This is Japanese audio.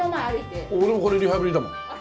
俺もこれリハビリだもん。